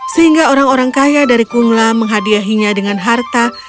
sehingga orang orang kaya dari kumla menghadiahinya dengan harta